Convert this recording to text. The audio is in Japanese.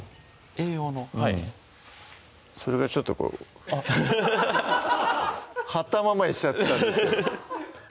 栄養のはいそれがちょっとこう貼ったままにしちゃってたんですフフフフッ